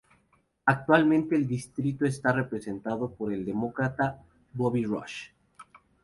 Actualmente el distrito está representado por el Demócrata Bobby Rush.